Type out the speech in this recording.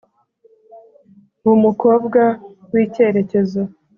Ba umukobwa wikerekezo